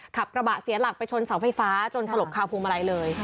ขับกระบะเสียหลักไปชนเสาไฟฟ้าจนสลบคาวพวงมาลัยเลย